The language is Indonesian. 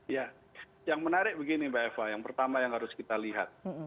ya yang menarik begini mbak eva yang pertama yang harus kita lihat